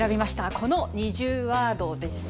この２０ワードです。